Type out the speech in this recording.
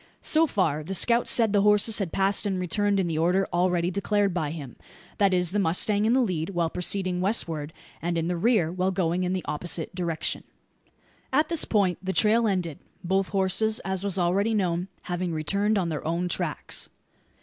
So far the scout said the horses had passed and returned in the order already declared by him: that is, the mustang in the lead while proceeding westward, and in the rear while going in the opposite direction. At this point the trail ended both horses, as was already known, having returned on their own tracks.